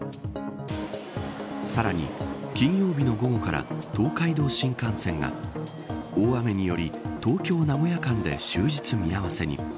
さらに、金曜日の午後から東海道新幹線が大雨により東京、名古屋間で終日見合わせに。